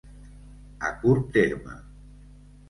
A curt terme.